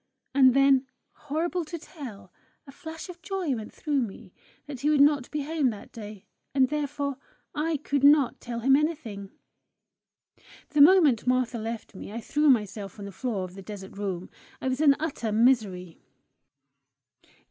And then, horrible to tell! a flash of joy went through me, that he would not be home that day, and therefore I could not tell him anything! The moment Martha left me I threw myself on the floor of the desert room. I was in utter misery.